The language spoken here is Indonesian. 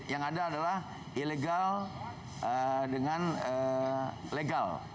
yang ada adalah ilegal dengan legal